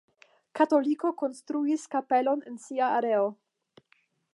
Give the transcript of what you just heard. Katoliko konstruis kapelon en sia areo.